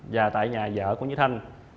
và tại nhà vợ của nguyễn trí thanh